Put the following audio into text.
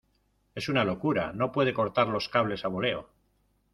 es una locura, no puede cortar los cables a boleo.